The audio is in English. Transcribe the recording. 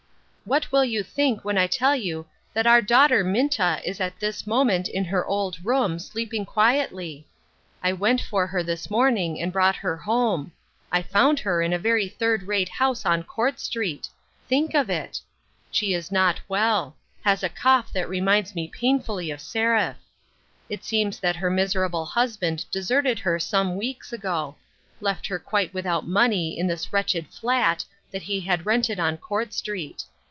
" What will you think when I tell you that our daughter Minta is at this moment in her old room, sleeping quietly ? I went for her this morning and brought her home. I found her in a very third rate house on Court Street. Think of it ! She is not well ; has a cough that reminds me painfully of Seraph. It seems that her miserable husband deserted her some weeks ago : left her quite without money in this wretched ' flat ' that he had rented on Court Street.